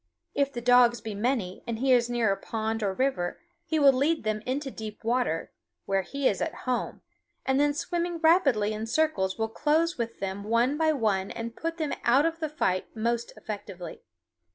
If the dogs be many and he is near a pond or river, he will lead them into deep water, where he is at home, and then swimming rapidly in circles will close with them one by one and put them out of the fight most effectively.